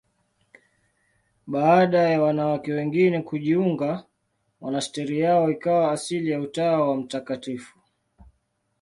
Baada ya wanawake wengine kujiunga, monasteri yao ikawa asili ya Utawa wa Mt.